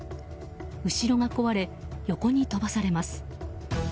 後ろが壊れ、横に飛ばされます。